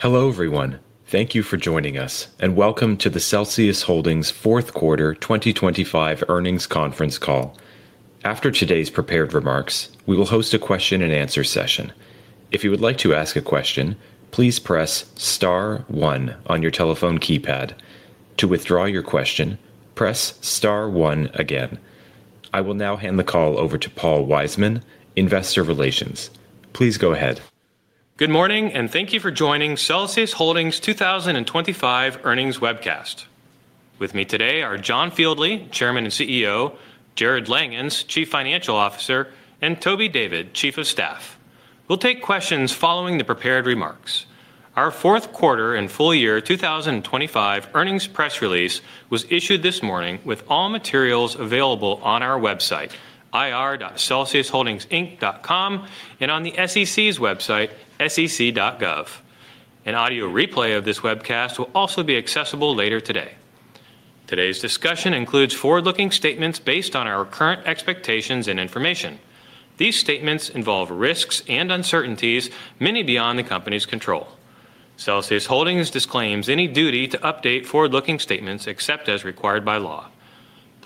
Hello, everyone. Thank you for joining us, welcome to the Celsius Holdings Fourth Quarter 2025 Earnings Conference Call. After today's prepared remarks, we will host a question-and-answer session. If you would like to ask a question, please press star one on your telephone keypad. To withdraw your question, press star one again. I will now hand the call over to Paul Wiseman, Investor Relations. Please go ahead. Good morning, and thank you for joining Celsius Holdings 2025 earnings webcast. With me today are John Fieldly, Chairman and CEO, Jarrod Langhans, Chief Financial Officer, and Toby David, Chief of Staff. We'll take questions following the prepared remarks. Our fourth quarter and full year 2025 earnings press release was issued this morning, with all materials available on our website, ir.celsiusholdingsinc.com, and on the SEC's website, sec.gov. An audio replay of this webcast will also be accessible later today. Today's discussion includes forward-looking statements based on our current expectations and information. These statements involve risks and uncertainties, many beyond the company's control. Celsius Holdings disclaims any duty to update forward-looking statements except as required by law.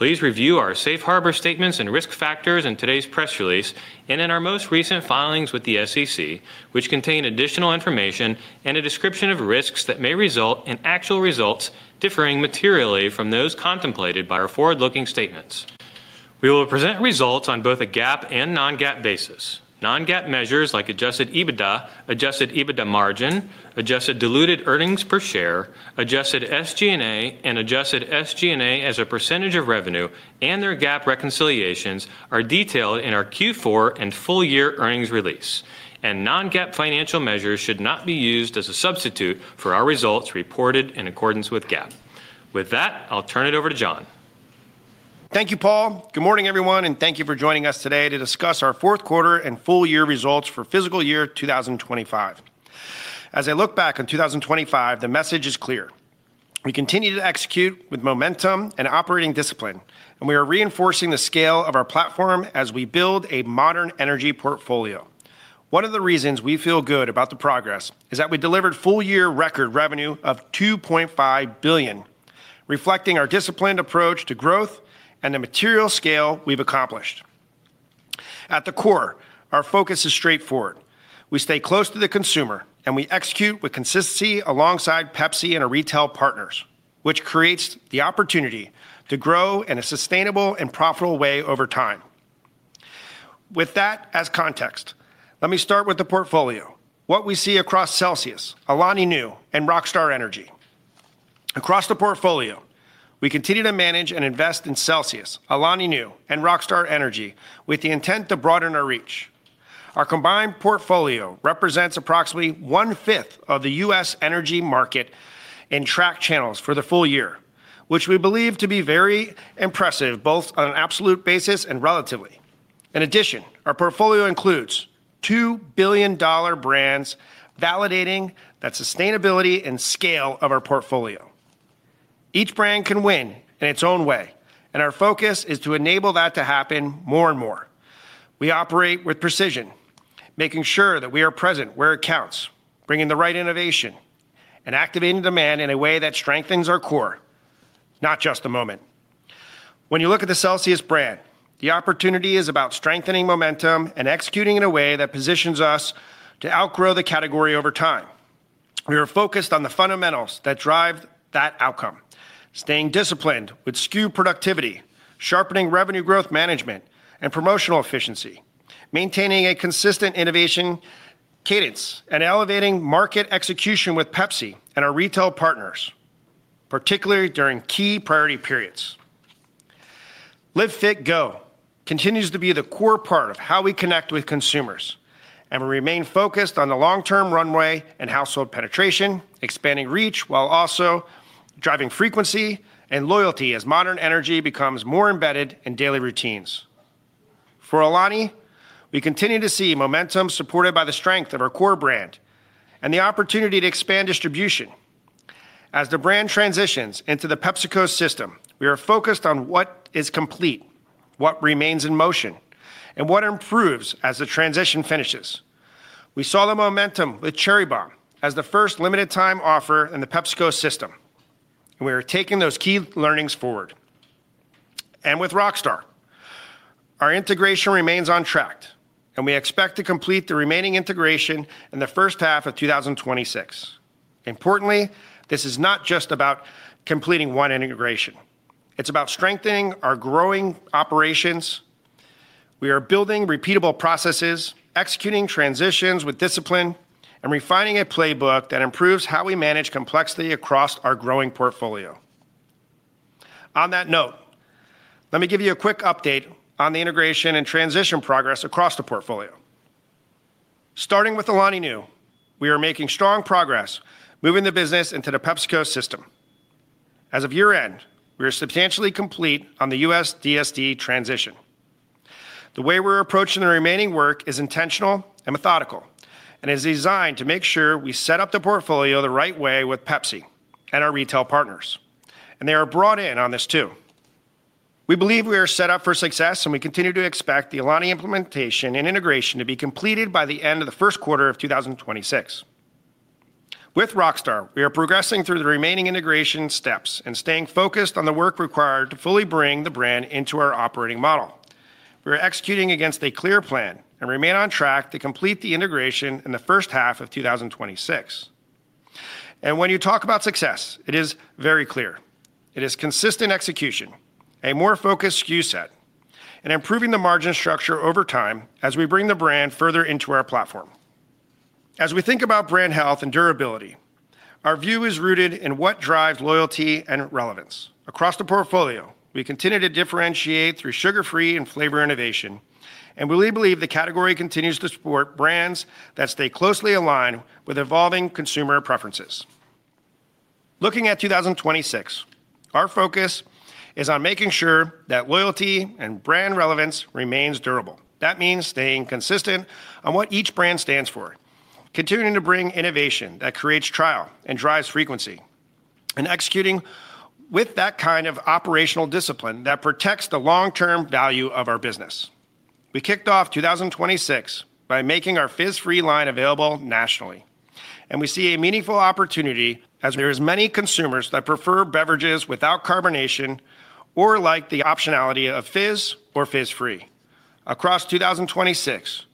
Please review our safe harbor statements and risk factors in today's press release and in our most recent filings with the SEC, which contain additional information and a description of risks that may result in actual results differing materially from those contemplated by our forward-looking statements. We will present results on both a GAAP and non-GAAP basis. Non-GAAP measures like Adjusted EBITDA, Adjusted EBITDA Margin, Adjusted Diluted Earnings Per Share, Adjusted SG&A, and Adjusted SG&A as a percentage of revenue and their GAAP reconciliations are detailed in our Q4 and full-year earnings release. Non-GAAP financial measures should not be used as a substitute for our results reported in accordance with GAAP. With that, I'll turn it over to John. Thank you, Paul. Good morning, everyone, and thank you for joining us today to discuss our fourth quarter and full year results for fiscal year 2025. As I look back on 2025, the message is clear: We continue to execute with momentum and operating discipline, and we are reinforcing the scale of our platform as we build a Modern Energy portfolio. One of the reasons we feel good about the progress is that we delivered full-year record revenue of $2.5 billion, reflecting our disciplined approach to growth and the material scale we've accomplished. At the core, our focus is straightforward. We stay close to the consumer, and we execute with consistency alongside Pepsi and our retail partners, which creates the opportunity to grow in a sustainable and profitable way over time. With that as context, let me start with the portfolio, what we see across Celsius, Alani Nu, and Rockstar Energy. Across the portfolio, we continue to manage and invest in Celsius, Alani Nu, and Rockstar Energy with the intent to broaden our reach. Our combined portfolio represents approximately 1/5 of the U.S. energy market in tracked channels for the full year, which we believe to be very impressive, both on an absolute basis and relatively. Our portfolio includes two billion dollar brands, validating that sustainability and scale of our portfolio. Our focus is to enable that to happen more and more. We operate with precision, making sure that we are present where it counts, bringing the right innovation and activating demand in a way that strengthens our core, not just a moment. When you look at the Celsius brand, the opportunity is about strengthening momentum and executing in a way that positions us to outgrow the category over time. We are focused on the fundamentals that drive that outcome, staying disciplined with SKU productivity, sharpening revenue growth management and promotional efficiency, maintaining a consistent innovation cadence, and elevating market execution with Pepsi and our retail partners, particularly during key priority periods. Live Fit Go continues to be the core part of how we connect with consumers, we remain focused on the long-term runway and household penetration, expanding reach, while also driving frequency and loyalty as Modern Energy becomes more embedded in daily routines. For Alani, we continue to see momentum supported by the strength of our core brand and the opportunity to expand distribution. As the brand transitions into the PepsiCo system, we are focused on what is complete, what remains in motion, and what improves as the transition finishes. We saw the momentum with Cherry Bomb as the first limited time offer in the PepsiCo system. We are taking those key learnings forward. With Rockstar, our integration remains on track, and we expect to complete the remaining integration in the first half of 2026. Importantly, this is not just about completing one integration. It's about strengthening our growing operations. We are building repeatable processes, executing transitions with discipline, and refining a playbook that improves how we manage complexity across our growing portfolio. On that note, let me give you a quick update on the integration and transition progress across the portfolio. Starting with Alani Nu, we are making strong progress moving the business into the PepsiCo system. As of year-end, we are substantially complete on the U.S. DSD transition. The way we're approaching the remaining work is intentional and methodical, and is designed to make sure we set up the portfolio the right way with Pepsi and our retail partners, and they are brought in on this too. We believe we are set up for success, and we continue to expect the Alani implementation and integration to be completed by the end of the first quarter of 2026. With Rockstar, we are progressing through the remaining integration steps and staying focused on the work required to fully bring the brand into our operating model. We are executing against a clear plan and remain on track to complete the integration in the first half of 2026. When you talk about success, it is very clear. It is consistent execution, a more focused SKU set, and improving the margin structure over time as we bring the brand further into our platform. As we think about brand health and durability, our view is rooted in what drives loyalty and relevance. Across the portfolio, we continue to differentiate through sugar-free and flavor innovation, and we believe the category continues to support brands that stay closely aligned with evolving consumer preferences. Looking at 2026, our focus is on making sure that loyalty and brand relevance remains durable. That means staying consistent on what each brand stands for, continuing to bring innovation that creates trial and drives frequency, and executing with that kind of operational discipline that protects the long-term value of our business. We kicked off 2026 by making our Fizz-Free line available nationally. We see a meaningful opportunity as there is many consumers that prefer beverages without carbonation or like the optionality of fizz or Fizz-Free. Across 2026,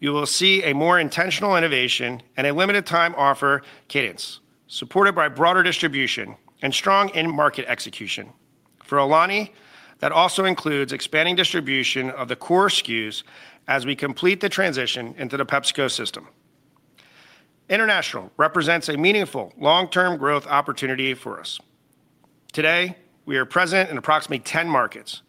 you will see a more intentional innovation and a limited time offer cadence, supported by broader distribution and strong in-market execution. For Alani, that also includes expanding distribution of the core SKUs as we complete the transition into the PepsiCo system. International represents a meaningful long-term growth opportunity for us. Today, we are present in approximately 10 markets.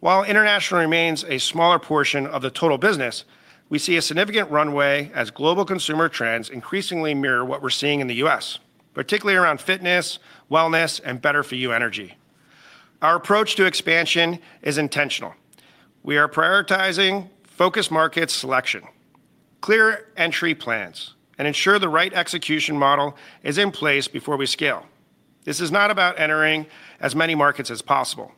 While international remains a smaller portion of the total business, we see a significant runway as global consumer trends increasingly mirror what we're seeing in the U.S., particularly around fitness, wellness, and better-for-you energy. Our approach to expansion is intentional. We are prioritizing focus market selection, clear entry plans, and ensure the right execution model is in place before we scale. This is not about entering as many markets as possible.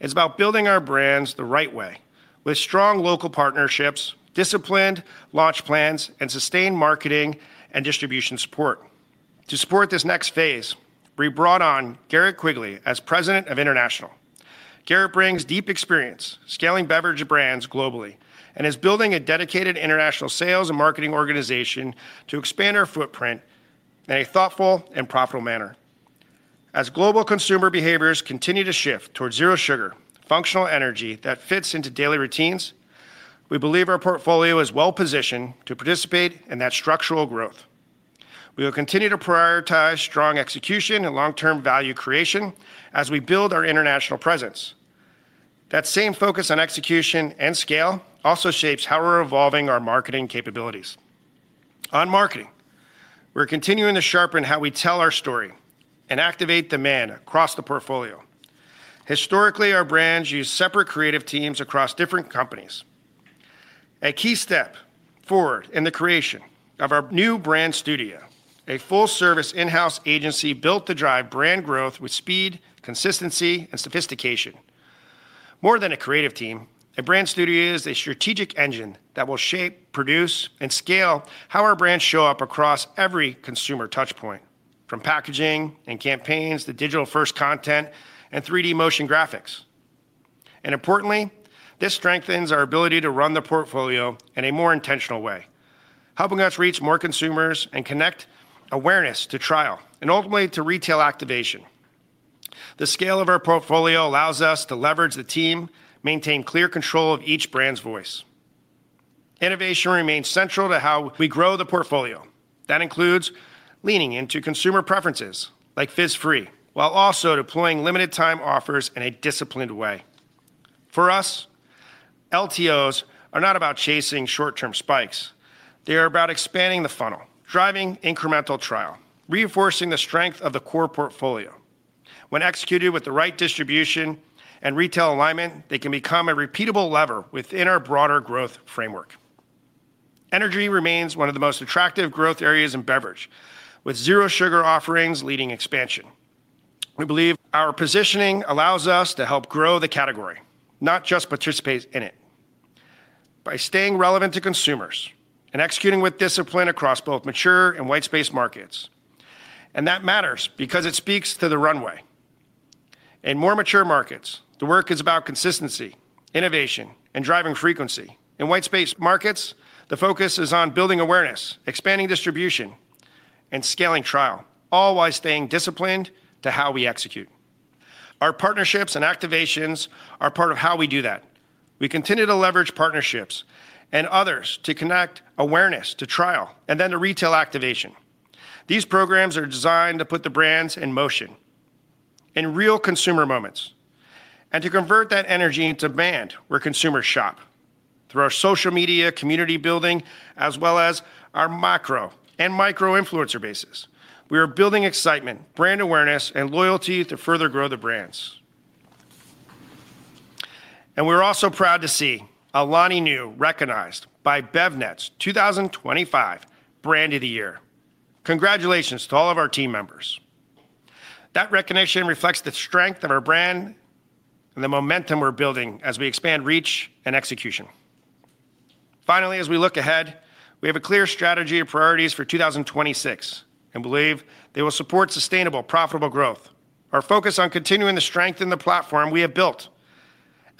It's about building our brands the right way, with strong local partnerships, disciplined launch plans, and sustained marketing and distribution support. To support this next phase, we brought on Garrett Quigley as President of International. Garrett brings deep experience scaling beverage brands globally and is building a dedicated international sales and marketing organization to expand our footprint in a thoughtful and profitable manner. Global consumer behaviors continue to shift towards zero sugar, functional energy that fits into daily routines, we believe our portfolio is well-positioned to participate in that structural growth. We will continue to prioritize strong execution and long-term value creation as we build our international presence. That same focus on execution and scale also shapes how we're evolving our marketing capabilities. On marketing, we're continuing to sharpen how we tell our story and activate demand across the portfolio. Historically, our brands used separate creative teams across different companies. A key step forward in the creation of our new Brand Studio, a full-service in-house agency built to drive brand growth with speed, consistency, and sophistication. More than a creative team, a Brand Studio is a strategic engine that will shape, produce, and scale how our brands show up across every consumer touch point, from packaging and campaigns to digital-first content and 3D motion graphics. Importantly, this strengthens our ability to run the portfolio in a more intentional way, helping us reach more consumers and connect awareness to trial and ultimately to retail activation. The scale of our portfolio allows us to leverage the team, maintain clear control of each brand's voice. Innovation remains central to how we grow the portfolio. That includes leaning into consumer preferences like Fizz-Free, while also deploying limited time offers in a disciplined way. For us, LTOs are not about chasing short-term spikes. They are about expanding the funnel, driving incremental trial, reinforcing the strength of the core portfolio. When executed with the right distribution and retail alignment, they can become a repeatable lever within our broader growth framework. Energy remains one of the most attractive growth areas in beverage, with zero sugar offerings leading expansion. We believe our positioning allows us to help grow the category, not just participate in it, by staying relevant to consumers and executing with discipline across both mature and white space markets. That matters because it speaks to the runway. In more mature markets, the work is about consistency, innovation, and driving frequency. In white space markets, the focus is on building awareness, expanding distribution, and scaling trial, all while staying disciplined to how we execute. Our partnerships and activations are part of how we do that. We continue to leverage partnerships and others to connect awareness to trial and then to retail activation. These programs are designed to put the brands in motion in real consumer moments, and to convert that energy into demand where consumers shop. Through our social media, community building, as well as our macro and micro influencer bases, we are building excitement, brand awareness, and loyalty to further grow the brands.... We're also proud to see Alani Nu recognized by BevNET's 2025 Brand of the Year. Congratulations to all of our team members! That recognition reflects the strength of our brand and the momentum we're building as we expand reach and execution. Finally, as we look ahead, we have a clear strategy of priorities for 2026, and believe they will support sustainable, profitable growth. Our focus on continuing to strengthen the platform we have built,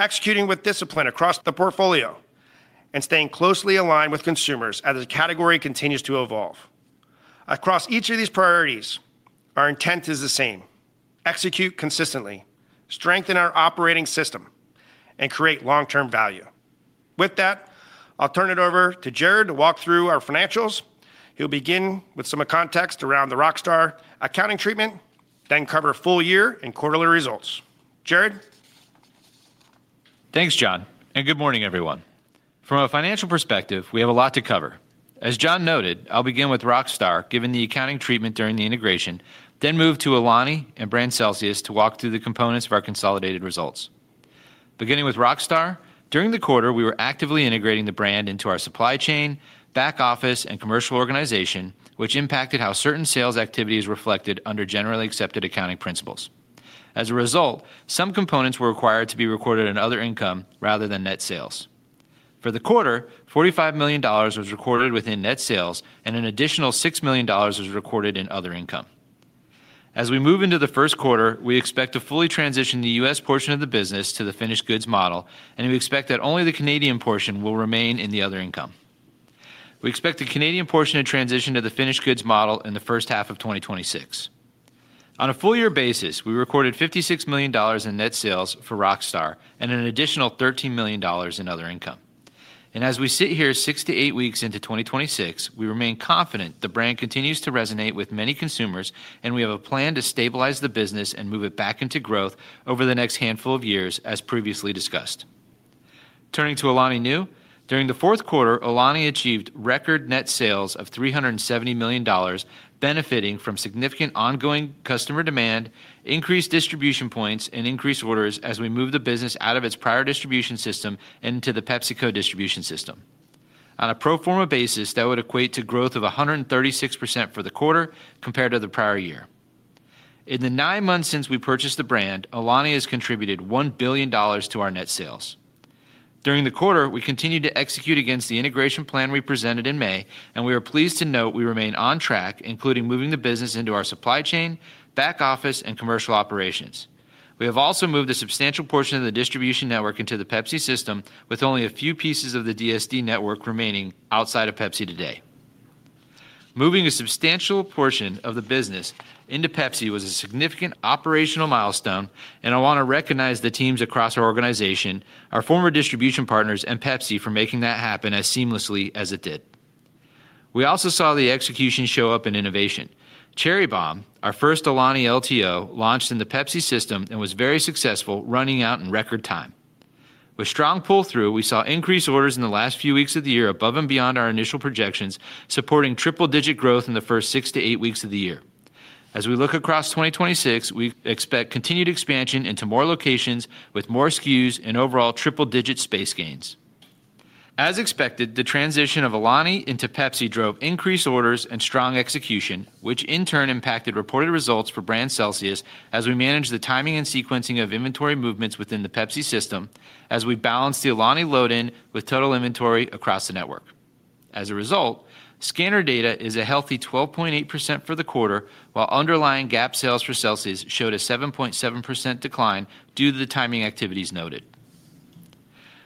executing with discipline across the portfolio, and staying closely aligned with consumers as the category continues to evolve. Across each of these priorities, our intent is the same: execute consistently, strengthen our operating system, and create long-term value. With that, I'll turn it over to Jarrod to walk through our financials. He'll begin with some context around the Rockstar Energy accounting treatment, then cover full year and quarterly results. Jarrod? Thanks, John. Good morning, everyone. From a financial perspective, we have a lot to cover. As John noted, I'll begin with Rockstar, given the accounting treatment during the integration, then move to Alani and brand Celsius to walk through the components of our consolidated results. Beginning with Rockstar, during the quarter, we were actively integrating the brand into our supply chain, back office, and commercial organization, which impacted how certain sales activities reflected under generally accepted accounting principles. As a result, some components were required to be recorded in other income rather than net sales. For the quarter, $45 million was recorded within net sales, and an additional $6 million was recorded in other income. As we move into the first quarter, we expect to fully transition the U.S. portion of the business to the finished goods model, and we expect that only the Canadian portion will remain in the other income. We expect the Canadian portion to transition to the finished goods model in the first half of 2026. On a full year basis, we recorded $56 million in net sales for Rockstar and an additional $13 million in other income. As we sit here, six to eight weeks into 2026, we remain confident the brand continues to resonate with many consumers, and we have a plan to stabilize the business and move it back into growth over the next handful of years, as previously discussed. Turning to Alani Nu, during the fourth quarter, Alani achieved record net sales of $370 million, benefiting from significant ongoing customer demand, increased distribution points, and increased orders as we move the business out of its prior distribution system and into the PepsiCo distribution system. On a pro forma basis, that would equate to growth of 136% for the quarter compared to the prior year. In the nine months since we purchased the brand, Alani has contributed $1 billion to our net sales. During the quarter, we continued to execute against the integration plan we presented in May. We are pleased to note we remain on track, including moving the business into our supply chain, back office, and commercial operations. We have also moved a substantial portion of the distribution network into the Pepsi system, with only a few pieces of the DSD network remaining outside of Pepsi today. Moving a substantial portion of the business into Pepsi was a significant operational milestone, and I want to recognize the teams across our organization, our former distribution partners, and Pepsi for making that happen as seamlessly as it did. We also saw the execution show up in innovation. Cherry Bomb, our first Alani LTO, launched in the Pepsi system and was very successful, running out in record time. With strong pull-through, we saw increased orders in the last few weeks of the year above and beyond our initial projections, supporting triple-digit growth in the first 6-8 weeks of the year. As we look across 2026, we expect continued expansion into more locations with more SKUs and overall triple-digit space gains. As expected, the transition of Alani into Pepsi drove increased orders and strong execution, which in turn impacted reported results for brand Celsius as we managed the timing and sequencing of inventory movements within the Pepsi system, as we balanced the Alani load-in with total inventory across the network. As a result, scanner data is a healthy 12.8% for the quarter, while underlying GAAP sales for Celsius showed a 7.7% decline due to the timing activities noted.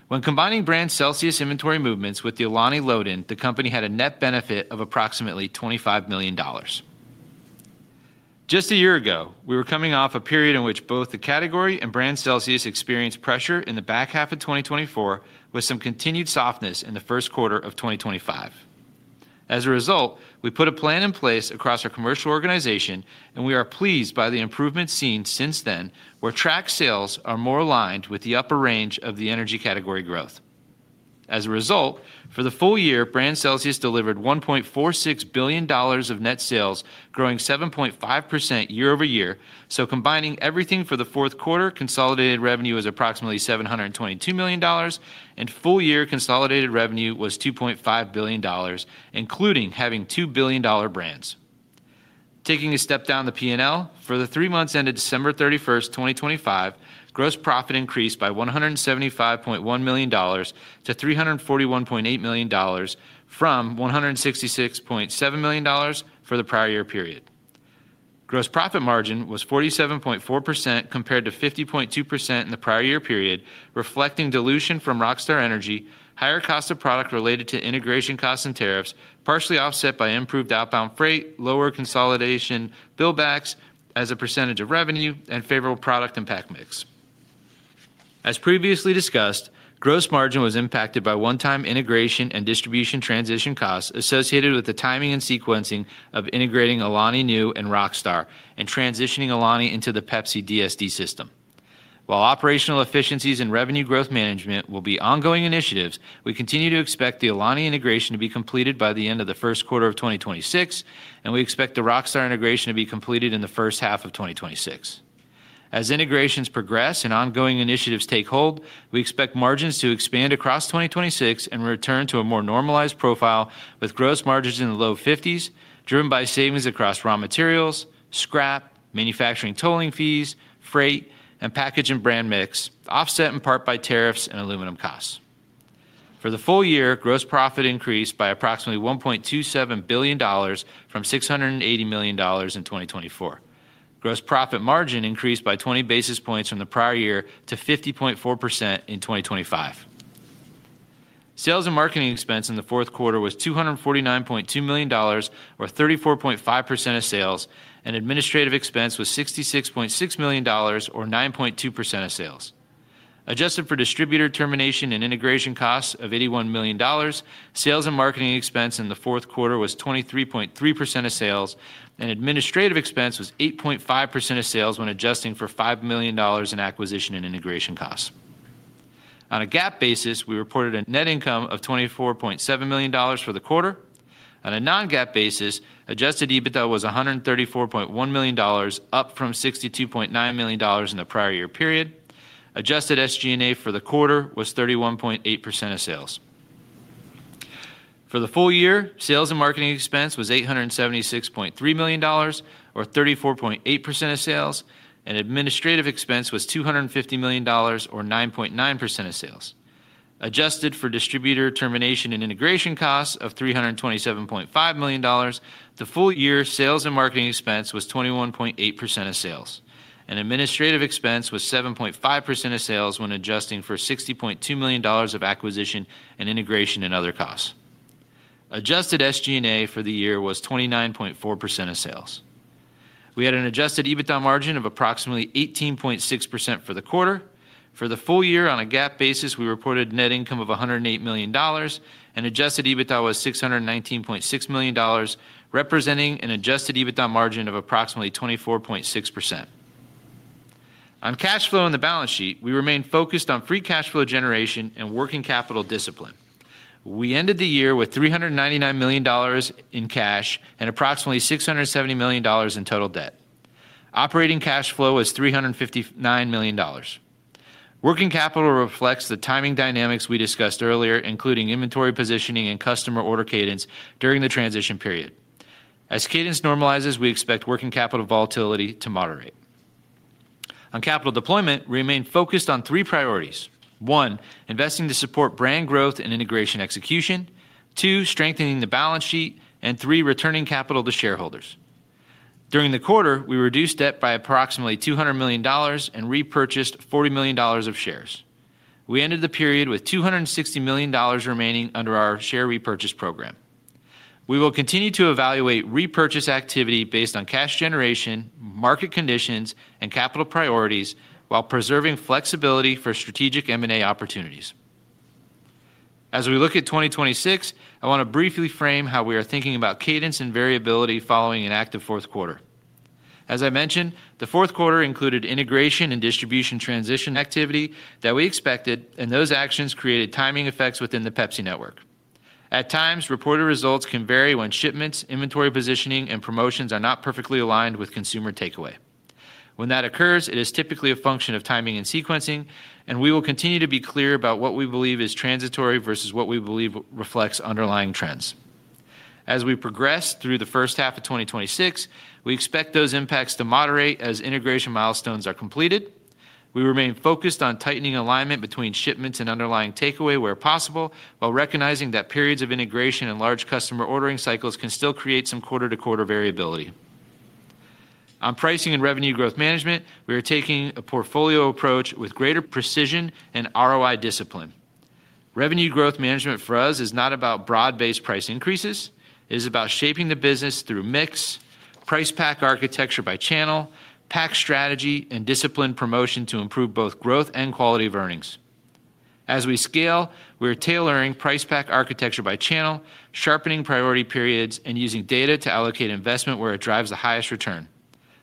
When combining brand Celsius inventory movements with the Alani load-in, the company had a net benefit of approximately $25 million. Just a year ago, we were coming off a period in which both the category and brand Celsius experienced pressure in the back half of 2024, with some continued softness in the first quarter of 2025. As a result, we put a plan in place across our commercial organization, and we are pleased by the improvement seen since then, where track sales are more aligned with the upper range of the energy category growth. As a result, for the full year, brand Celsius delivered $1.46 billion of net sales, growing 7.5% YoY. Combining everything for the fourth quarter, consolidated revenue is approximately $722 million, and full-year consolidated revenue was $2.5 billion, including having two billion-dollar brands. Taking a step down the P&L, for the 3 months ended December 31st, 2025, gross profit increased by $175.1 million to $341.8 million from $166.7 million for the prior year period. Gross profit margin was 47.4%, compared to 50.2% in the prior year period, reflecting dilution from Rockstar Energy, higher cost of product related to integration costs and tariffs, partially offset by improved outbound freight, lower consolidation, bill-backs as a percentage of revenue, and favorable product and pack mix. As previously discussed, gross margin was impacted by one-time integration and distribution transition costs associated with the timing and sequencing of integrating Alani Nu and Rockstar and transitioning Alani into the Pepsi DSD system. While operational efficiencies and revenue growth management will be ongoing initiatives, we continue to expect the Alani integration to be completed by the end of the first quarter of 2026, and we expect the Rockstar integration to be completed in the first half of 2026. As integrations progress and ongoing initiatives take hold, we expect margins to expand across 2026 and return to a more normalized profile, with gross margins in the low fifties, driven by savings across raw materials, scrap, manufacturing tolling fees, freight, and package and brand mix, offset in part by tariffs and aluminum costs. For the full year, gross profit increased by approximately $1.27 billion from $680 million in 2024. Gross profit margin increased by 20 basis points from the prior year to 50.4% in 2025. Sales and marketing expense in the fourth quarter was $249.2 million or 34.5% of sales, and administrative expense was $66.6 million or 9.2% of sales. Adjusted for distributor termination and integration costs of $81 million, sales and marketing expense in the fourth quarter was 23.3% of sales, and administrative expense was 8.5% of sales when adjusting for $5 million in acquisition and integration costs. On a GAAP basis, we reported a net income of $24.7 million for the quarter. On a non-GAAP basis, Adjusted EBITDA was $134.1 million, up from $62.9 million in the prior year period. Adjusted SG&A for the quarter was 31.8% of sales. For the full year, sales and marketing expense was $876.3 million, or 34.8% of sales, and administrative expense was $250 million, or 9.9% of sales. Adjusted for distributor termination and integration costs of $327.5 million, the full-year sales and marketing expense was 21.8% of sales, and administrative expense was 7.5% of sales when adjusting for $60.2 million of acquisition and integration and other costs. Adjusted SG&A for the year was 29.4% of sales. We had an Adjusted EBITDA Margin of approximately 18.6% for the quarter. For the full year, on a GAAP basis, we reported net income of $108 million, Adjusted EBITDA was $619.6 million, representing an Adjusted EBITDA Margin of approximately 24.6%. On cash flow and the balance sheet, we remain focused on free cash flow generation and working capital discipline. We ended the year with $399 million in cash and approximately $670 million in total debt. Operating cash flow was $359 million. Working capital reflects the timing dynamics we discussed earlier, including inventory positioning and customer order cadence during the transition period. As cadence normalizes, we expect working capital volatility to moderate. On capital deployment, we remain focused on three priorities: one, investing to support brand growth and integration execution, two, strengthening the balance sheet, and three, returning capital to shareholders. During the quarter, we reduced debt by approximately $200 million and repurchased $40 million of shares. We ended the period with $260 million remaining under our share repurchase program. We will continue to evaluate repurchase activity based on cash generation, market conditions, and capital priorities, while preserving flexibility for strategic M&A opportunities. As we look at 2026, I want to briefly frame how we are thinking about cadence and variability following an active fourth quarter. As I mentioned, the fourth quarter included integration and distribution transition activity that we expected, and those actions created timing effects within the Pepsi network. At times, reported results can vary when shipments, inventory positioning, and promotions are not perfectly aligned with consumer takeaway. When that occurs, it is typically a function of timing and sequencing, and we will continue to be clear about what we believe is transitory versus what we believe reflects underlying trends. As we progress through the first half of 2026, we expect those impacts to moderate as integration milestones are completed. We remain focused on tightening alignment between shipments and underlying takeaway where possible, while recognizing that periods of integration and large customer ordering cycles can still create some quarter-to-quarter variability. On pricing and revenue growth management, we are taking a portfolio approach with greater precision and ROI discipline. Revenue growth management for us is not about broad-based price increases, it is about shaping the business through mix, price pack architecture by channel, pack strategy, and disciplined promotion to improve both growth and quality of earnings. As we scale, we are tailoring price pack architecture by channel, sharpening priority periods, and using data to allocate investment where it drives the highest return.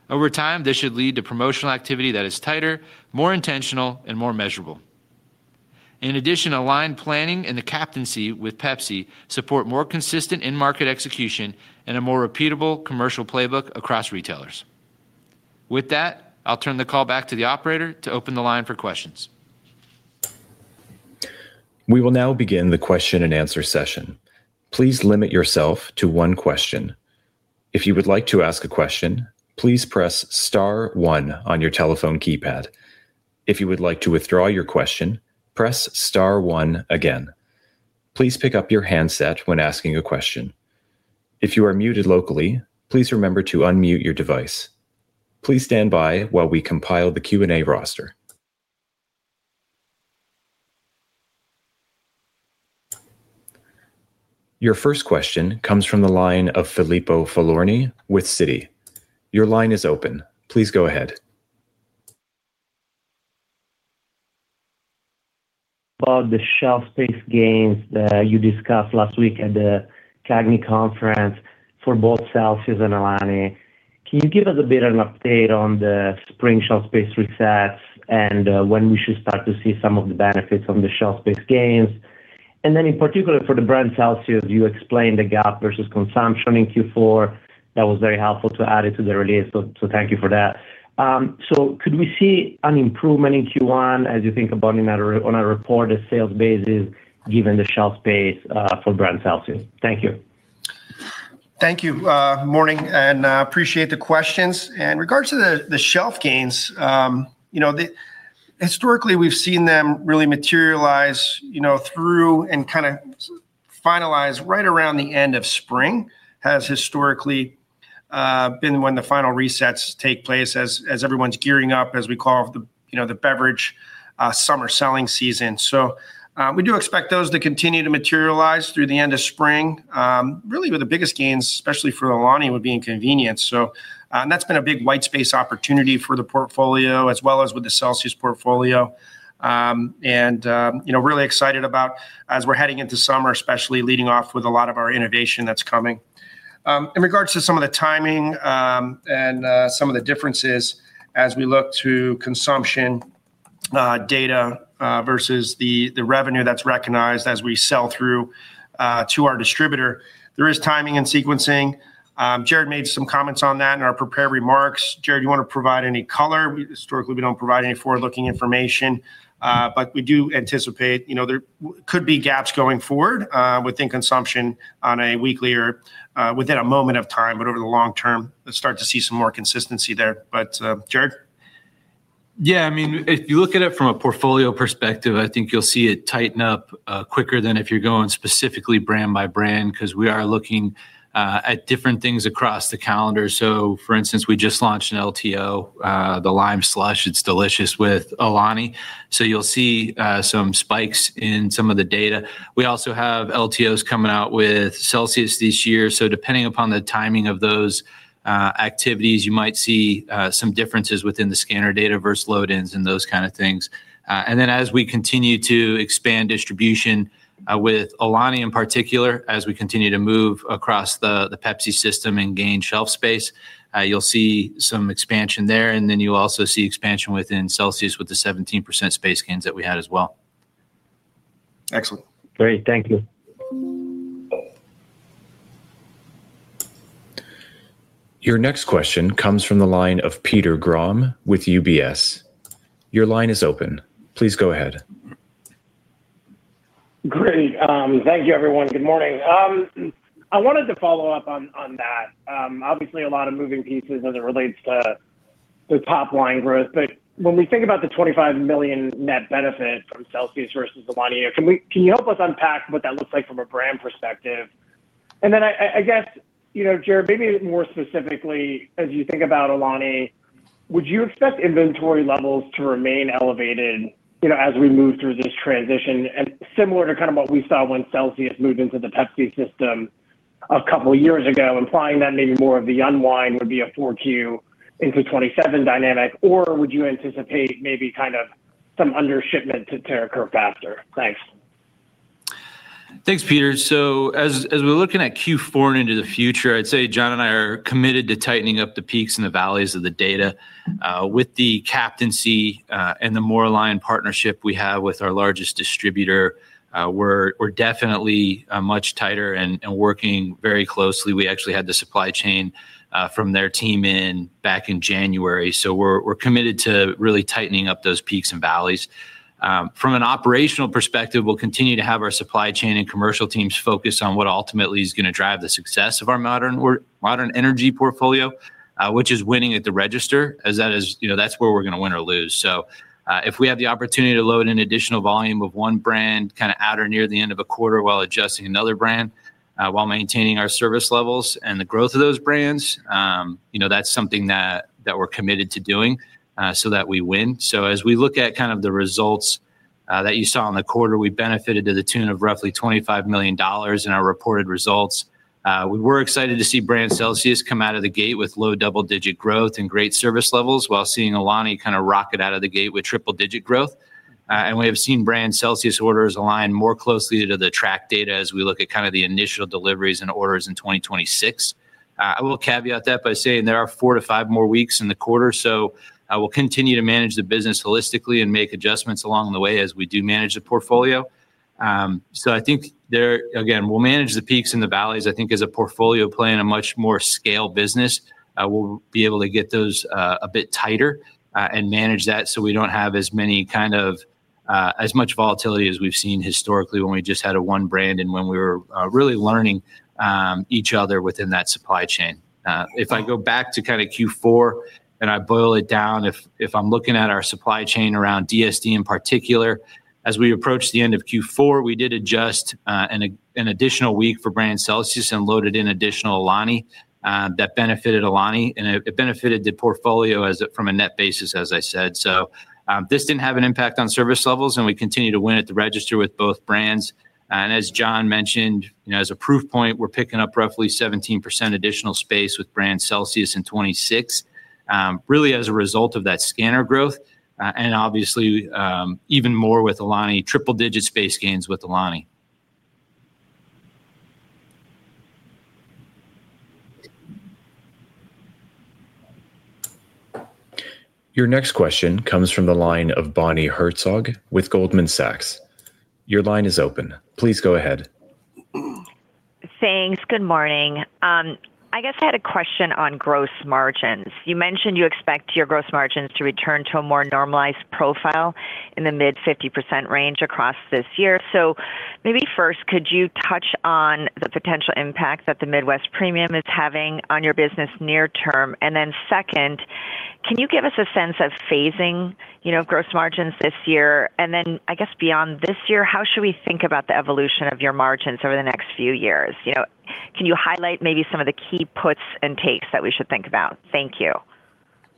Over time, this should lead to promotional activity that is tighter, more intentional, and more measurable. In addition, aligned planning and the captaincy with Pepsi support more consistent in-market execution and a more repeatable commercial playbook across retailers. With that, I'll turn the call back to the operator to open the line for questions. We will now begin the question-and-answer session. Please limit yourself to one question. If you would like to ask a question, please press star one on your telephone keypad. If you would like to withdraw your question, press star one again. Please pick up your handset when asking a question. If you are muted locally, please remember to unmute your device. Please stand by while we compile the Q&A roster. Your first question comes from the line of Filippo Falorni with Citi. Your line is open. Please go ahead. About the shelf space gains that you discussed last week at the CAGNY Conference for both Celsius and Alani. Can you give us a bit of an update on the spring shelf space resets and when we should start to see some of the benefits from the shelf space gains? Then in particular for the brand Celsius, you explained the gap versus consumption in Q4. That was very helpful to add it to the release, so thank you for that. Could we see an improvement in Q1 as you think about on a reported sales basis, given the shelf space for brand Celsius? Thank you. Thank you, morning, and appreciate the questions. In regards to the shelf gains, you know, historically, we've seen them really materialize, you know, through and kind of finalize right around the end of spring, has historically been when the final resets take place as everyone's gearing up, as we call the, you know, the beverage summer selling season. We do expect those to continue to materialize through the end of spring. Really, where the biggest gains, especially for Alani, would be in convenience. That's been a big white space opportunity for the portfolio as well as with the Celsius portfolio. You know, really excited about as we're heading into summer, especially leading off with a lot of our innovation that's coming. In regards to some of the timing, and some of the differences as we look to consumption data versus the revenue that's recognized as we sell through to our distributor, there is timing and sequencing. Jarrod made some comments on that in our prepared remarks. Jarrod, do you want to provide any color? Historically, we don't provide any forward-looking information, we do anticipate, you know, there could be gaps going forward within consumption on a weekly or within a moment of time. Over the long term, let's start to see some more consistency there. Jarrod? Yeah, I mean, if you look at it from a portfolio perspective, I think you'll see it tighten up quicker than if you're going specifically brand by brand, 'cause we are looking at different things across the calendar. For instance, we just launched an LTO, the Lime Slush. It's delicious with Alani. You'll see some spikes in some of the data. We also have LTOs coming out with Celsius this year. Depending upon the timing of those activities, you might see some differences within the scanner data versus load-ins and those kind of things. As we continue to expand distribution, with Alani in particular, as we continue to move across the Pepsi system and gain shelf space, you'll see some expansion there, and then you'll also see expansion within Celsius with the 17% space gains that we had as well. Excellent. Great. Thank you. Your next question comes from the line of Peter Grom with UBS. Your line is open. Please go ahead. Great. Thank you, everyone. Good morning. I wanted to follow up on that. Obviously, a lot of moving pieces as it relates to the top-line growth, but when we think about the $25 million net benefit from Celsius versus Alani, can you help us unpack what that looks like from a brand perspective? I guess, you know, Jarrod, maybe more specifically, as you think about Alani, would you expect inventory levels to remain elevated, you know, as we move through this transition? Similar to kind of what we saw when Celsius moved into the Pepsi system a couple of years ago, implying that maybe more of the unwind would be a 4Q into 2027 dynamic, or would you anticipate maybe kind of some undershipment to tear curve faster? Thanks. Thanks, Peter. As we're looking at Q4 and into the future, I'd say John and I are committed to tightening up the peaks and the valleys of the data. With the captaincy and the more aligned partnership we have with our largest distributor, we're definitely much tighter and working very closely. We actually had the supply chain from their team in back in January, so we're committed to really tightening up those peaks and valleys. From an operational perspective, we'll continue to have our supply chain and commercial teams focused on what ultimately is gonna drive the success of our Modern Energy portfolio, which is winning at the register, as that is, you know, that's where we're gonna win or lose. If we have the opportunity to load in additional volume of one brand, kind of at or near the end of a quarter while adjusting another brand, while maintaining our service levels and the growth of those brands, you know, that's something that we're committed to doing, so that we win. As we look at kind of the results, that you saw in the quarter, we benefited to the tune of roughly $25 million in our reported results. We were excited to see brand Celsius come out of the gate with low double-digit growth and great service levels, while seeing Alani kind of rocket out of the gate with triple-digit growth. And we have seen brand Celsius orders align more closely to the track data as we look at kind of the initial deliveries and orders in 2026. I will caveat that by saying there are four to five more weeks in the quarter, I will continue to manage the business holistically and make adjustments along the way as we do manage the portfolio. Again, we'll manage the peaks and the valleys. I think as a portfolio play in a much more scale business, we'll be able to get those a bit tighter and manage that so we don't have as many kind of as much volatility as we've seen historically when we just had a one brand and when we were really learning each other within that supply chain. If I go back to Q4 and I boil it down, if I'm looking at our supply chain around DSD in particular, as we approach the end of Q4, we did adjust an additional week for Celsius and loaded in additional Alani, that benefited Alani, and it benefited the portfolio from a net basis, as I said. This didn't have an impact on service levels, and we continue to win at the register with both brands. As John mentioned, you know, as a proof point, we're picking up roughly 17% additional space with Celsius in 2026, really as a result of that scanner growth, and obviously, even more with Alani, triple-digit space gains with Alani. Your next question comes from the line of Bonnie Herzog with Goldman Sachs. Your line is open. Please go ahead. Thanks. Good morning. I guess I had a question on gross margins. You mentioned you expect your gross margins to return to a more normalized profile in the mid-50% range across this year. Maybe first, could you touch on the potential impact that the Midwest premium is having on your business near term? Second, can you give us a sense of phasing, you know, gross margins this year? I guess beyond this year, how should we think about the evolution of your margins over the next few years? You know, can you highlight maybe some of the key puts and takes that we should think about? Thank you.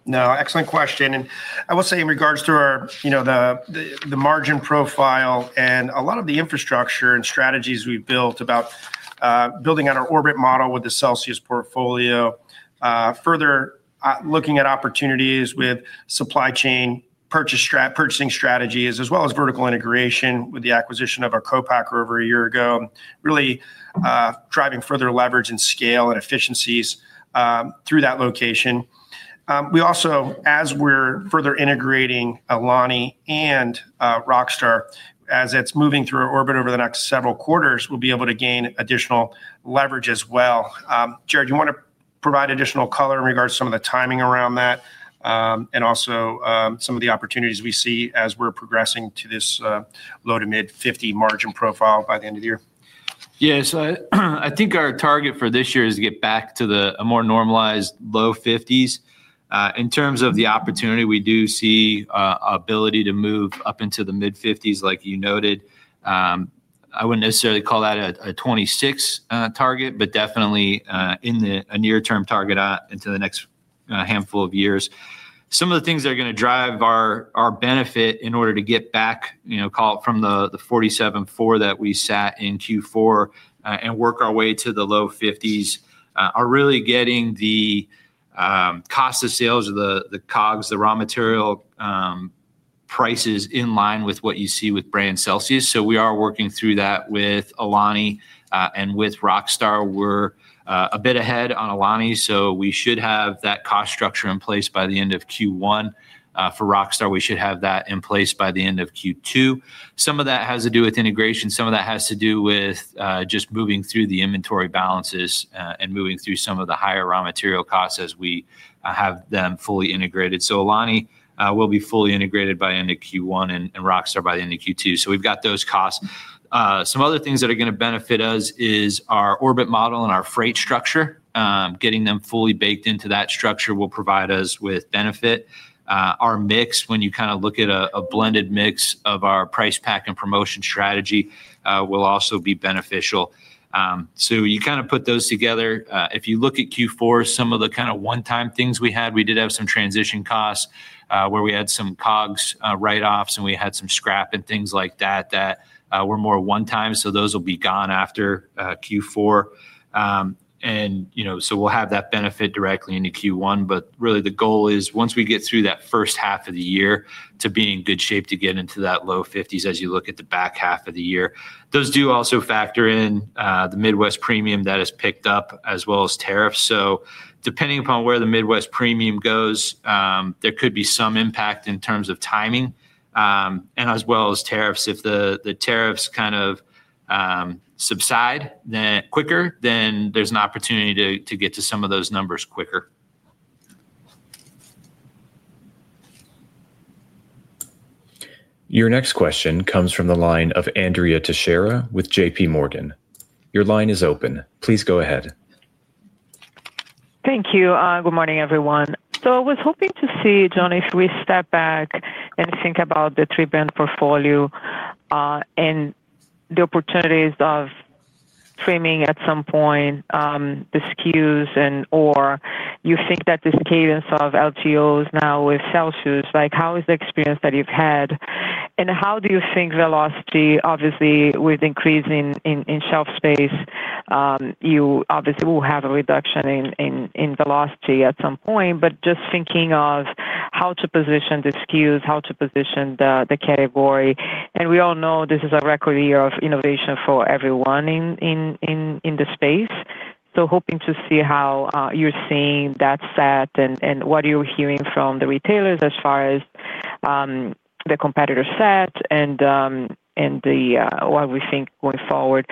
No, excellent question. I will say in regards to our, you know, the, the margin profile and a lot of the infrastructure and strategies we've built about building out our orbit model with the Celsius portfolio, further looking at opportunities with supply chain purchasing strategies, as well as vertical integration with the acquisition of our co-packer over 1 year ago, really, driving further leverage and scale and efficiencies through that location. We also, as we're further integrating Alani and Rockstar, as it's moving through our orbit over the next several quarters, we'll be able to gain additional leverage as well. Jarrod, do you want to provide additional color in regards to some of the timing around that, and also, some of the opportunities we see as we're progressing to this, low to mid-50 margin profile by the end of the year? I think our target for this year is to get back to a more normalized low 50s. In terms of the opportunity, we do see ability to move up into the mid-50s, like you noted. I wouldn't necessarily call that a 2026 target, but definitely in a near-term target into the next handful of years. Some of the things that are going to drive our benefit in order to get back, you know, call it from the 47.4 that we sat in Q4 and work our way to the low 50s, are really getting the cost of sales, the COGS, the raw material prices in line with what you see with brand Celsius. We are working through that with Alani and with Rockstar Energy. We're a bit ahead on Alani, so we should have that cost structure in place by the end of Q1. For Rockstar Energy, we should have that in place by the end of Q2. Some of that has to do with integration, some of that has to do with just moving through the inventory balances, and moving through some of the higher raw material costs as we have them fully integrated. Alani will be fully integrated by end of Q1 and Rockstar Energy by the end of Q2. We've got those costs. Some other things that are gonna benefit us is our Orbit model and our freight structure. Getting them fully baked into that structure will provide us with benefit. Our mix, when you kind of look at a blended mix of our price, pack, and promotion strategy, will also be beneficial. You kind of put those together. If you look at Q4, some of the kind of one-time things we had, we did have some transition costs, where we had some COGS write-offs, and we had some scrap and things like that were more one-time, so those will be gone after Q4. You know, we'll have that benefit directly into Q1, but really the goal is once we get through that first half of the year to being in good shape to get into that low fifties, as you look at the back half of the year. Those do also factor in the Midwest premium that has picked up, as well as tariffs. Depending upon where the Midwest premium goes, there could be some impact in terms of timing, and as well as tariffs. If the tariffs kind of subside quicker, there's an opportunity to get to some of those numbers quicker. Your next question comes from the line of Andrea Teixeira with J.P. Morgan. Your line is open. Please go ahead. Thank you. Good morning, everyone. I was hoping to see, John, if we step back and think about the 3-brand portfolio, and the opportunities of trimming at some point, the SKUs and or you think that the cadence of LTOs now with Celsius, like, how is the experience that you've had? How do you think velocity-- obviously, with increase in shelf space, you obviously will have a reduction in velocity at some point. Just thinking of how to position the SKUs, how to position the category, and we all know this is a record year of innovation for everyone in the space. Hoping to see how you're seeing that set and what you're hearing from the retailers as far as the competitor set and what we think going forward.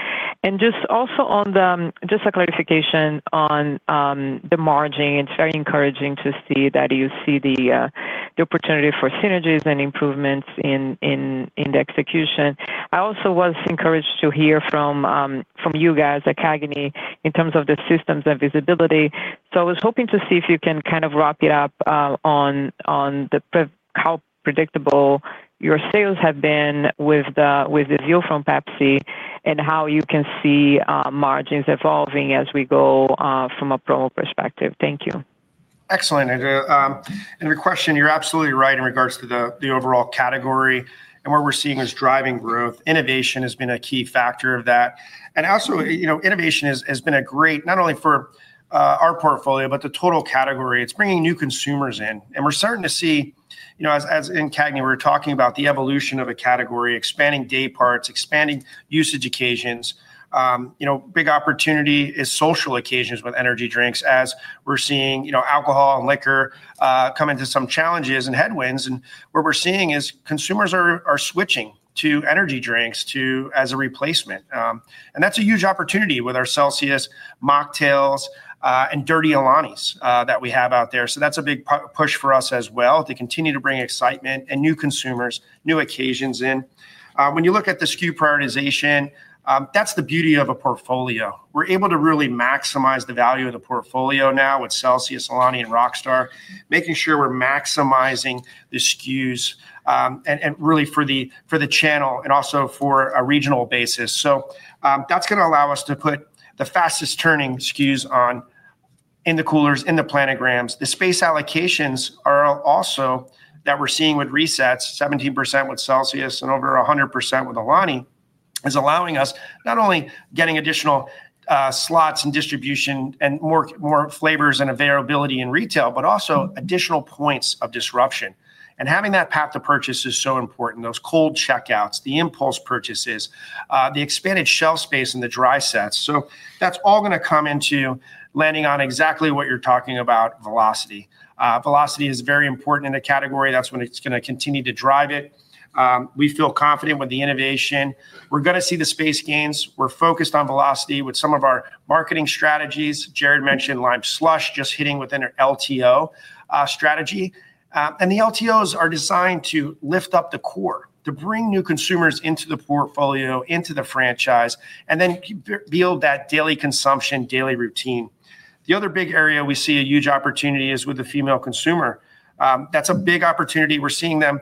Just also a clarification on the margin. It's very encouraging to see that you see the opportunity for synergies and improvements in the execution. I also was encouraged to hear from you guys at CAGNY in terms of the systems and visibility. I was hoping to see if you can kind of wrap it up on how predictable your sales have been with the deal from Pepsi and how you can see margins evolving as we go from a promo perspective. Thank you. Excellent, Andrea. Your question, you're absolutely right in regards to the overall category and what we're seeing as driving growth. Innovation has been a key factor of that. Also, you know, innovation has been a great not only for our portfolio, but the total category. It's bringing new consumers in, we're starting to see. You know, as in CAGNY, we were talking about the evolution of a category, expanding day parts, expanding usage occasions. You know, big opportunity is social occasions with energy drinks, as we're seeing, you know, alcohol and liquor come into some challenges and headwinds. What we're seeing is consumers are switching to energy drinks to as a replacement. That's a huge opportunity with our Celsius Mocktails and Alani Nu that we have out there. That's a big push for us as well, to continue to bring excitement and new consumers, new occasions in. When you look at the SKU prioritization, that's the beauty of a portfolio. We're able to really maximize the value of the portfolio now with Celsius, Alani, and Rockstar, making sure we're maximizing the SKUs, and really for the channel and also for a regional basis. That's gonna allow us to put the fastest turning SKUs on in the coolers, in the planograms. The space allocations are also that we're seeing with resets, 17% with Celsius and over 100% with Alani, is allowing us not only getting additional slots and distribution and more, more flavors and availability in retail, but also additional points of disruption. Having that path to purchase is so important, those cold checkouts, the impulse purchases, the expanded shelf space and the dry sets. That's all gonna come into landing on exactly what you're talking about, velocity. Velocity is very important in a category. That's when it's gonna continue to drive it. We feel confident with the innovation. We're gonna see the space gains. We're focused on velocity with some of our marketing strategies. Jarrod mentioned Lime Slush, just hitting within an LTO strategy. The LTOs are designed to lift up the core, to bring new consumers into the portfolio, into the franchise, and then build that daily consumption, daily routine. The other big area we see a huge opportunity is with the female consumer. That's a big opportunity. We're seeing them,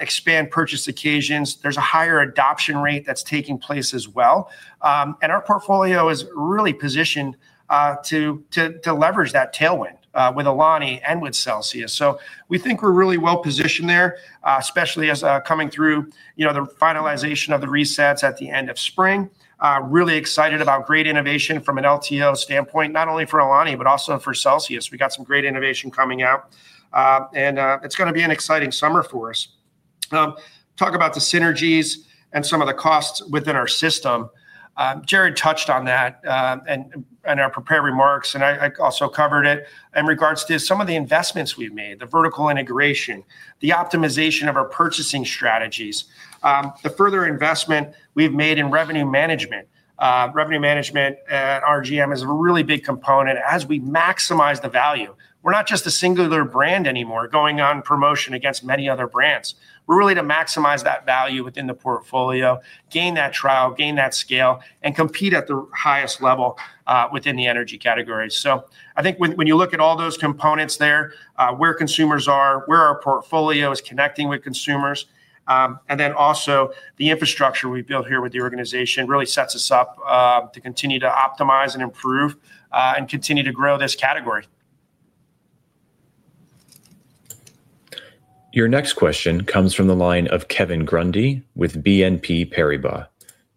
expand purchase occasions. There's a higher adoption rate that's taking place as well. Our portfolio is really positioned to leverage that tailwind with Alani and with Celsius. We think we're really well positioned there, especially as coming through, you know, the finalization of the resets at the end of spring. Really excited about great innovation from an LTO standpoint, not only for Alani, but also for Celsius. We got some great innovation coming out, and it's gonna be an exciting summer for us. Talk about the synergies and some of the costs within our system. Jarrod touched on that in our prepared remarks, and I also covered it in regards to some of the investments we've made, the vertical integration, the optimization of our purchasing strategies, the further investment we've made in revenue management. Revenue management at RGM is a really big component as we maximize the value. We're not just a singular brand anymore, going on promotion against many other brands. We're really to maximize that value within the portfolio, gain that trial, gain that scale, and compete at the highest level within the energy category. I think when you look at all those components there, where consumers are, where our portfolio is connecting with consumers, and then also the infrastructure we've built here with the organization, really sets us up to continue to optimize and improve and continue to grow this category. Your next question comes from the line of Kevin Grundy with BNP Paribas.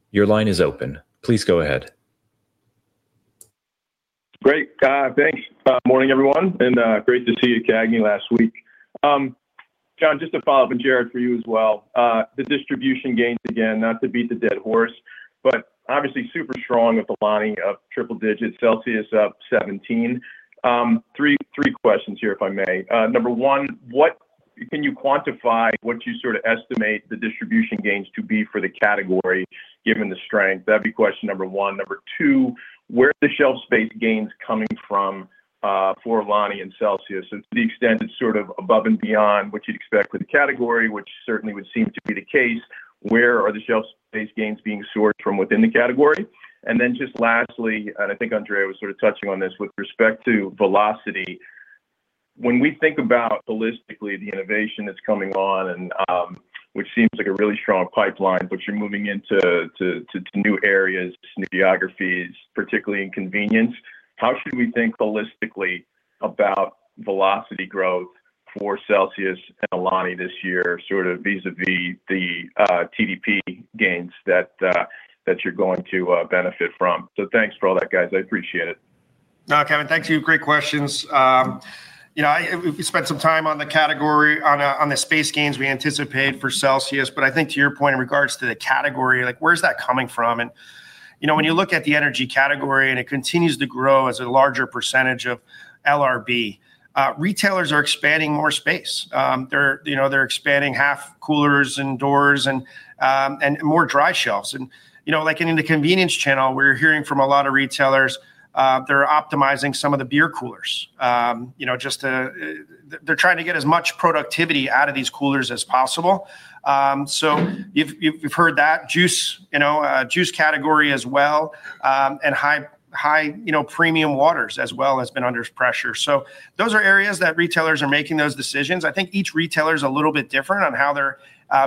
Your line is open. Please go ahead. Great, thanks. Morning, everyone, and great to see you, CAGNY, last week. John, just to follow up, and Jarrod, for you as well. The distribution gains, again, not to beat the dead horse, but obviously super strong with Alani up triple digits, Celsius up 17. Three questions here, if I may. Number one, Can you quantify what you sort of estimate the distribution gains to be for the category, given the strength? That'd be question number one. Number two, where are the shelf space gains coming from, for Alani and Celsius? To the extent it's sort of above and beyond what you'd expect for the category, which certainly would seem to be the case, where are the shelf space gains being sourced from within the category? Just lastly, and I think Andrea was sort of touching on this, with respect to velocity, when we think about holistically the innovation that's coming on and, which seems like a really strong pipeline, but you're moving into new areas, new geographies, particularly in convenience, how should we think holistically about velocity growth for Celsius and Alani this year, sort of vis-à-vis the TDP gains that you're going to benefit from? Thanks for all that, guys. I appreciate it. Kevin, thank you. Great questions. You know, we spent some time on the category, on the space gains we anticipate for Celsius, but I think to your point in regards to the category, like, where is that coming from? You know, when you look at the energy category and it continues to grow as a larger percentage of LRB, retailers are expanding more space. They're, you know, they're expanding half coolers and doors and more dry shelves. You know, like in the convenience channel, we're hearing from a lot of retailers, they're optimizing some of the beer coolers. You know, just to, they're trying to get as much productivity out of these coolers as possible. You've heard that. Juice, you know, juice category as well, and high, you know, premium waters as well has been under pressure. Those are areas that retailers are making those decisions. I think each retailer is a little bit different on how they're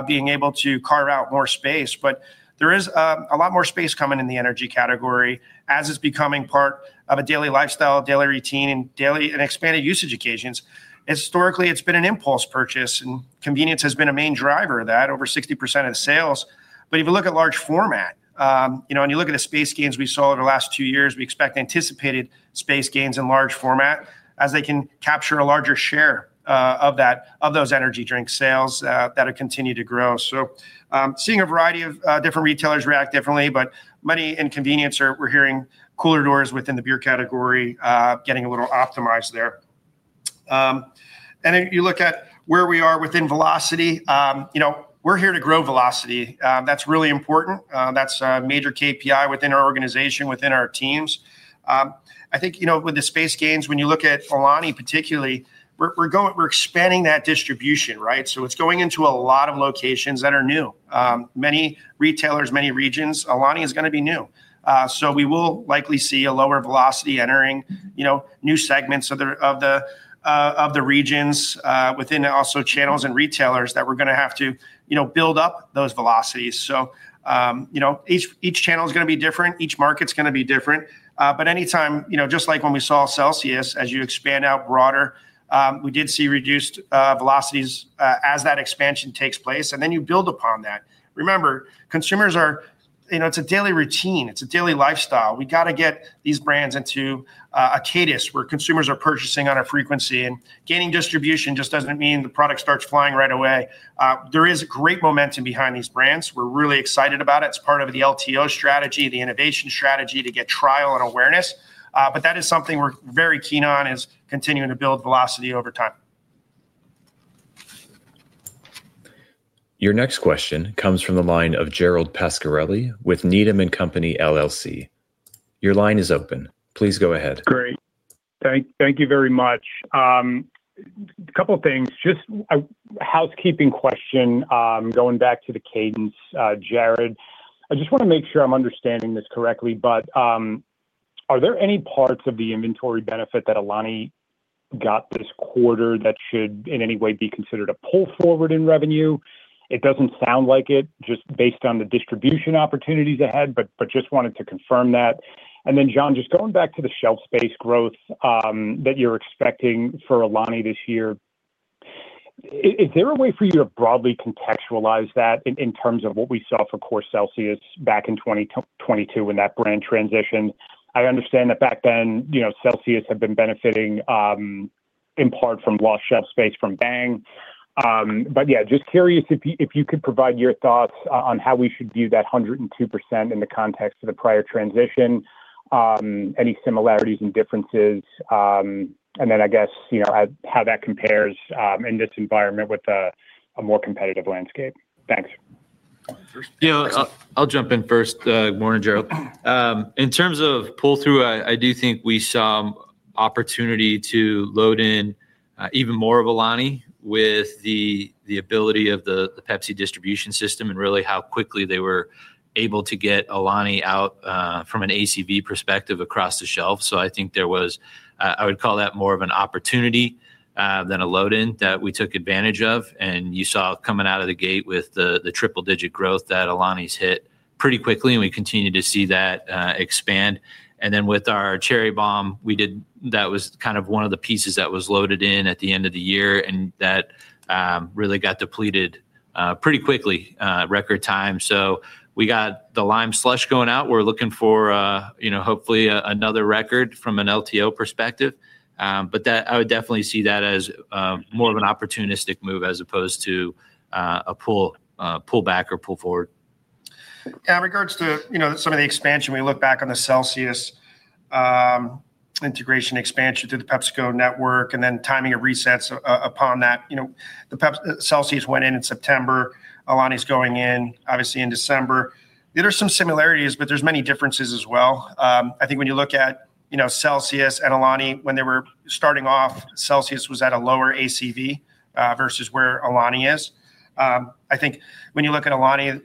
being able to carve out more space, but there is a lot more space coming in the energy category as it's becoming part of a daily lifestyle, daily routine, and daily and expanded usage occasions. Historically, it's been an impulse purchase, and convenience has been a main driver of that. Over 60% of the sales-... If you look at large format, you know, you look at the space gains we saw over the last 2 years, we expect anticipated space gains in large format, as they can capture a larger share of that, of those energy drink sales that have continued to grow. Seeing a variety of different retailers react differently, but many in convenience we're hearing cooler doors within the beer category getting a little optimized there. If you look at where we are within velocity, you know, we're here to grow velocity. That's really important. That's a major KPI within our organization, within our teams. I think, you know, with the space gains, when you look at Alani particularly, we're expanding that distribution, right? It's going into a lot of locations that are new. Many retailers, many regions, Alani is gonna be new. We will likely see a lower velocity entering, you know, new segments of the regions, within also channels and retailers that we're gonna have to, you know, build up those velocities. You know, each channel is gonna be different, each market's gonna be different. Anytime, you know, just like when we saw Celsius, as you expand out broader, we did see reduced velocities as that expansion takes place, and then you build upon that. Remember, consumers are. You know, it's a daily routine, it's a daily lifestyle. We got to get these brands into a cadence where consumers are purchasing on a frequency. Gaining distribution just doesn't mean the product starts flying right away. There is great momentum behind these brands. We're really excited about it. It's part of the LTO strategy, the innovation strategy, to get trial and awareness. That is something we're very keen on, is continuing to build velocity over time. Your next question comes from the line of Gerald Pascarelli with Needham & Company, LLC. Your line is open. Please go ahead. Great. Thank you very much. A couple of things, just a housekeeping question, going back to the cadence, Jarrod. I just want to make sure I'm understanding this correctly, but, are there any parts of the inventory benefit that Alani got this quarter that should in any way be considered a pull forward in revenue? It doesn't sound like it, just based on the distribution opportunities ahead, but just wanted to confirm that. John, just going back to the shelf space growth that you're expecting for Alani this year, is there a way for you to broadly contextualize that in terms of what we saw for Core Celsius back in 2022 when that brand transitioned? I understand that back then, you know, Celsius had been benefiting in part from lost shelf space from Bang. Yeah, just curious if you could provide your thoughts on how we should view that 102% in the context of the prior transition, any similarities and differences, and then I guess, you know, how that compares, in this environment with a more competitive landscape. Thanks. You know, I'll jump in first. Morning, Gerald. In terms of pull-through, I do think we saw opportunity to load in even more of Alani with the ability of the Pepsi distribution system and really how quickly they were able to get Alani out from an ACV perspective across the shelf. I think there was, I would call that more of an opportunity than a load in that we took advantage of, and you saw coming out of the gate with the triple digit growth that Alani's hit pretty quickly, and we continue to see that expand. With our Cherry Bomb, that was kind of one of the pieces that was loaded in at the end of the year, and that really got depleted pretty quickly, record time. We got the Lime Slush going out. We're looking for, you know, hopefully another record from an LTO perspective. I would definitely see that as more of an opportunistic move as opposed to a pull back or pull forward. In regards to, you know, some of the expansion, we look back on the Celsius integration expansion to the PepsiCo network and then timing of resets upon that, you know, Celsius went in in September. Alani is going in obviously in December. There are some similarities, there's many differences as well. I think when you look at, you know, Celsius and Alani, when they were starting off, Celsius was at a lower ACV versus where Alani is. I think when you look at Alani,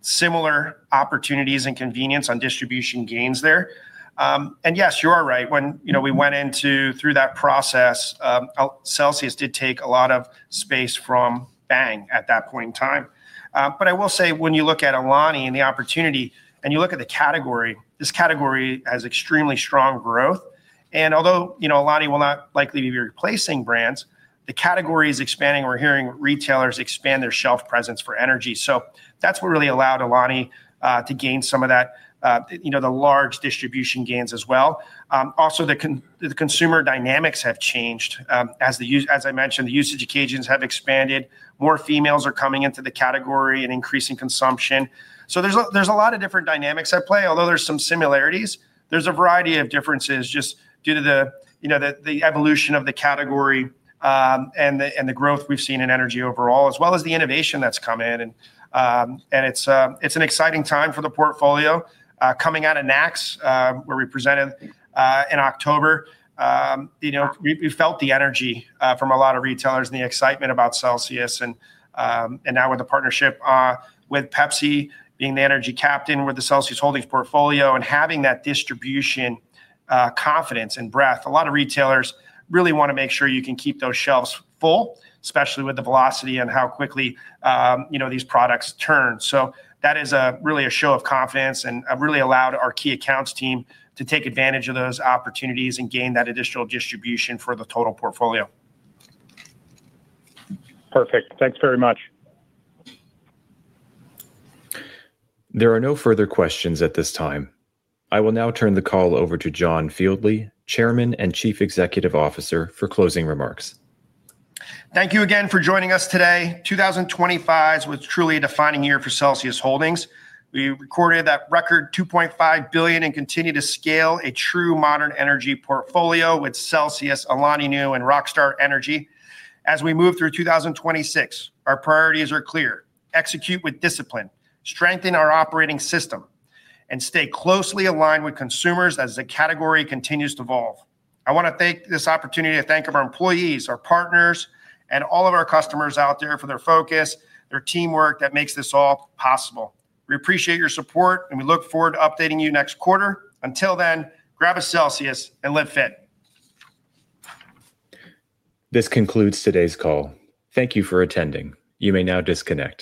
similar opportunities and convenience on distribution gains there. Yes, you are right. You know, we went through that process, Celsius did take a lot of space from Bang at that point in time. I will say, when you look at Alani and the opportunity, you look at the category, this category has extremely strong growth, although, you know, Alani will not likely be replacing brands, the category is expanding. We're hearing retailers expand their shelf presence for energy, that's what really allowed Alani to gain some of that, you know, the large distribution gains as well. Also, the consumer dynamics have changed. As I mentioned, the usage occasions have expanded. More females are coming into the category and increasing consumption. There's a lot of different dynamics at play. Although there's some similarities, there's a variety of differences just due to you know, the evolution of the category and the growth we've seen in energy overall, as well as the innovation that's come in. It's an exciting time for the portfolio. Coming out of NACS, where we presented in October, you know, we felt the energy from a lot of retailers and the excitement about Celsius, and now with the partnership with Pepsi being the energy captain with the Celsius Holdings portfolio and having that distribution confidence and breadth. A lot of retailers really want to make sure you can keep those shelves full, especially with the velocity and how quickly, you know, these products turn. That is a really a show of confidence and have really allowed our key accounts team to take advantage of those opportunities and gain that additional distribution for the total portfolio. Perfect. Thanks very much. There are no further questions at this time. I will now turn the call over to John Fieldly, Chairman and Chief Executive Officer, for closing remarks. Thank you again for joining us today. 2025 was truly a defining year for Celsius Holdings. We recorded that record $2.5 billion and continue to scale a true Modern Energy portfolio with Celsius, Alani Nu, and Rockstar Energy. As we move through 2026, our priorities are clear: execute with discipline, strengthen our operating system, and stay closely aligned with consumers as the category continues to evolve. I want to thank our employees, our partners, and all of our customers out there for their focus, their teamwork that makes this all possible. We appreciate your support and we look forward to updating you next quarter. Until then, grab a Celsius and Live Fit. This concludes today's call. Thank you for attending. You may now disconnect.